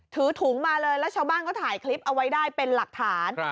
ถือถุงมาเลยแล้วชาวบ้านก็ถ่ายคลิปเอาไว้ได้เป็นหลักฐาน